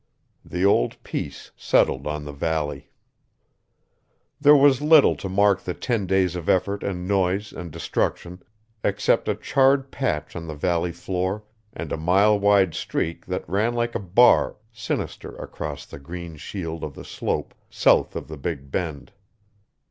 The old peace settled on the valley. There was little to mark the ten days of effort and noise and destruction except a charred patch on the valley floor and a mile wide streak that ran like a bar sinister across the green shield of the slope south of the Big Bend.